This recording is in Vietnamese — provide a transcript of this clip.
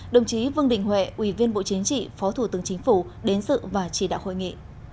đồng chí vương đình huệ ủy viên bộ chính trị phó thủ tướng chính phủ đến sự và chỉ đạo hội nghị